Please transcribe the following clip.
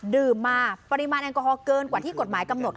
ดื่มมาปริมาณแอลกอฮอลเกินกว่าที่กฎหมายกำหนด